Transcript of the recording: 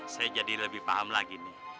saya jadi lebih paham lagi nih